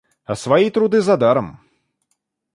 А свои труды задаром.